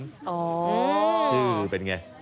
อ๋อชื่อเป็นไง